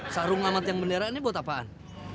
sarung sama tiang bendera ini buat apaan